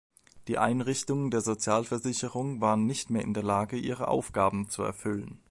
Die Einrichtungen der Sozialversicherung waren nicht mehr in der Lage, ihre Aufgaben zu erfüllen.